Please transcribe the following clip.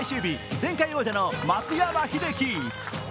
前回王者の松山英樹。